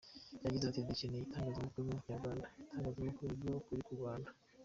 Yagize ati “Dukeneye Itangazamakuru Nyarwanda; Itangazamakuru rivuga ukuri ku Rwanda.